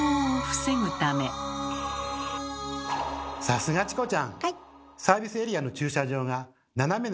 さすがチコちゃん。